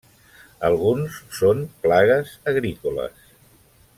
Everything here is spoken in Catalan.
Alguns són plagues agrícoles.